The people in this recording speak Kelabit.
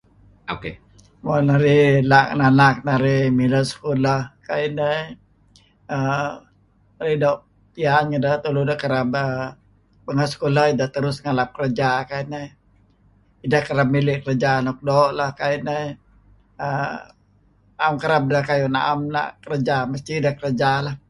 [ok] Mo narih la' ngan anak narih mileh sekulah kuayu' inah eh err oi doo' piyan ngedah tulu ideh doo' aah kereb err pengah sekulah idah terus ngalap kerja kuayu' inah idah kereb mili' kerja nuk doo' lah [eh er] a'm kereb deh na'em na' kerja mesti deh kerja lah.